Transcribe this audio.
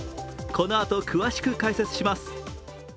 このあと、詳しく解説します。